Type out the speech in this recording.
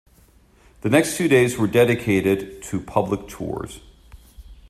The next two days were dedicated to public tours.